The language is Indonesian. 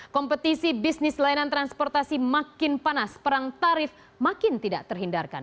kompetisi bisnis layanan transportasi makin panas perang tarif makin tidak terhindarkan